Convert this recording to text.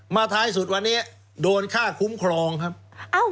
ท้ายสุดวันนี้โดนค่าคุ้มครองครับ